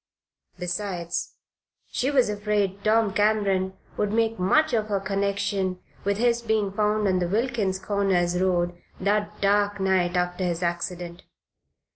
Besides, she was afraid Tom Cameron would make much of her connection with his being found on the Wilkins Corners road that dark night, after his accident.